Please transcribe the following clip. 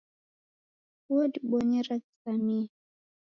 Wodibonyera ghizamie.